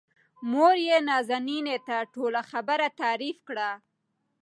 موريې نازنين ته ټوله خبره تعريف کړه.